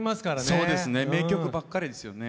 そうですね名曲ばっかりですよね。